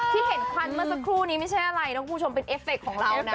พี่เห็นควันมาสักครู่นี้ไม่ใช่อะไรนะ